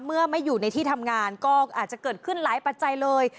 เมื่อไม่อยู่ในที่ทำงานก็อาจจะเกิดขึ้นหลายปัจจัยเลย